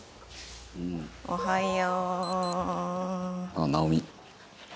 おはよう。